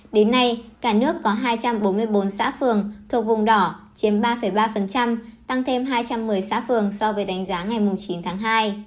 đến nay cả nước có hai trăm bốn mươi bốn xã phường thuộc vùng đỏ chiếm ba ba tăng thêm hai trăm một mươi xã phường so với đánh giá ngày chín tháng hai